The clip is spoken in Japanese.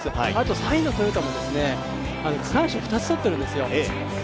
３位のトヨタも区間賞を２つ取っているんですよ。